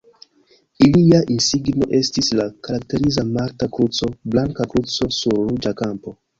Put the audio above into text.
Ilia insigno estis la karakteriza malta kruco, blanka kruco sur ruĝa kampo.